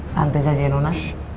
santai saja ya nona